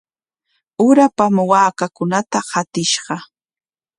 Urapam waakakunata qatishqa.